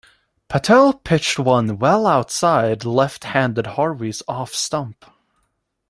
Patel pitched one well outside left-handed Harvey's off-stump.